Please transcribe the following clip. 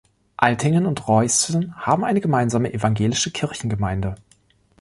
Altingen und Reusten haben eine gemeinsame evangelische Kirchengemeinde.